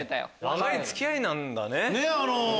長い付き合いなんだね。